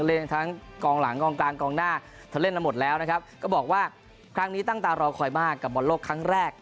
เล่นทั้งกองหลังกองกลางกองหน้าเธอเล่นมาหมดแล้วนะครับก็บอกว่าครั้งนี้ตั้งตารอคอยมากกับบอลโลกครั้งแรก